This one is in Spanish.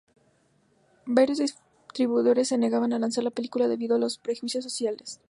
Varios distribuidores se negaban a lanzar la película debido a los prejuicios sociales.